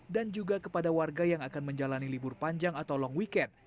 dan juga kepada warga yang akan menjalani libur panjang atau long weekend